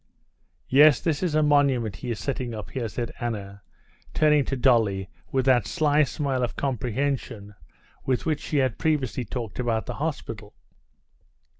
"Yes, this is a monument he is setting up here," said Anna, turning to Dolly with that sly smile of comprehension with which she had previously talked about the hospital.